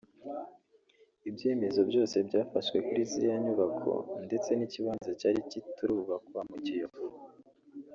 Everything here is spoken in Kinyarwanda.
“Ibyemezo byose byafashwe kuri ziriya nyubako ndetse n’ikibanza cyari kitarubakwa mu Kiyovu